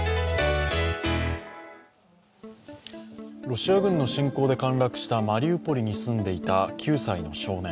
ロシア軍の侵攻で陥落したマリウポリに住んでいた９歳の少年。